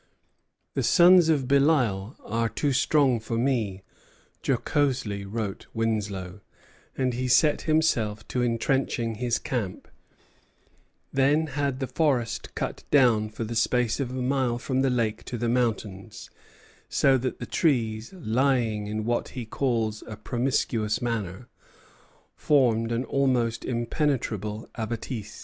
"The sons of Belial are too strong for me," jocosely wrote Winslow; and he set himself to intrenching his camp; then had the forest cut down for the space of a mile from the lake to the mountains, so that the trees, lying in what he calls a "promiscuous manner," formed an almost impenetrable abatis.